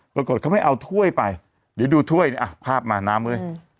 ปรากฏเขาไม่เอาถ้วยไปดูถ้วยนี่อ่ะภาพมาน้ำเลย